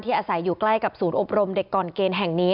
อาศัยอยู่ใกล้กับศูนย์อบรมเด็กก่อนเกณฑ์แห่งนี้